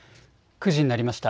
９時になりました。